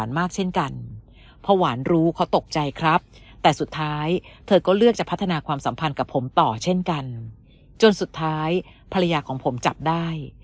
และก็เลือกจะพัฒนาความสัมพันธ์กับผมต่อเช่นกันจนสุดท้ายภรรยาของผมจับได้